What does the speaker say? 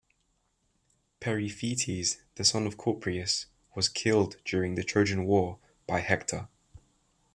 Periphetes, the son of Copreus; he was killed during the Trojan war by Hector.